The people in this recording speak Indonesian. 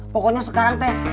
pokoknya sekarang teh